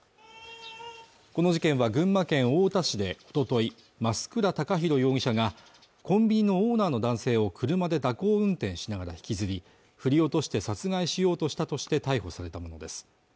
この事件は群馬県太田市でおととい増倉孝弘容疑者がコンビニのオーナーの男性を車で蛇行運転しながら引きずり振り落として殺害しようとしたとして逮捕されたものです